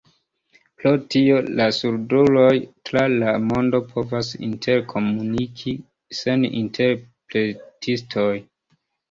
Pro tio la surduloj tra la mondo povas interkomuniki sen interpretistoj!